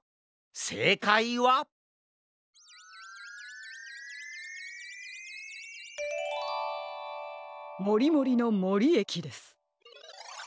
せいかいはもりもりのもりえきです。